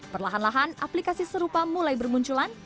perlahan lahan aplikasi serupa mulai bermunculan